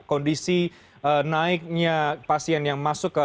kondisi naiknya pasien yang masuk ke